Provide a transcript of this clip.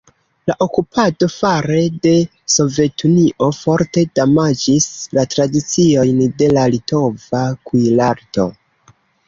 La okupado fare de Sovetunio forte damaĝis la tradiciojn de la litova kuirarto.